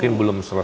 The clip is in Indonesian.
jadi bicara bahwa